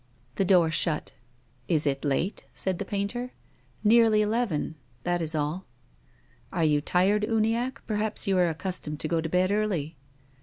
The door shut. " Is it late ?" said the painter. " Nearly eleven. That is all." " Are you tired, Uniacke ? perhaps you are ac customed to go to bed early